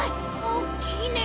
おっきいね！